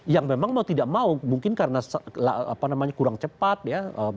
yang memang mau tidak mau mungkin karena kurang cepat ya